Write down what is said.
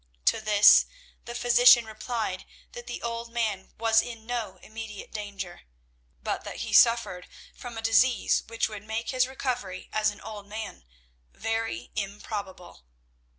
To this the physician replied that the old man was in no immediate danger, but that he suffered from a disease which would make his recovery as an old man very improbable.